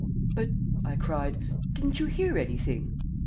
"But," I cried, "didn't you hear anything?"